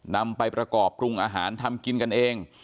นำไปประกอบปรุงอาหารทำกินกันเอง